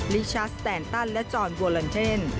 ลิชัสแตนตันและจอนโบลันเทน